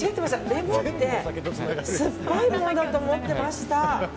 レモンって酸っぱいものだと思ってました。